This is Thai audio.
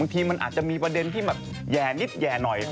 ทีมันอาจจะมีประเด็นที่แบบแย่นิดแห่หน่อย